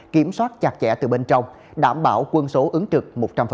kiểm soát chặt chẽ từ bên trong đảm bảo quân số ứng trực một trăm linh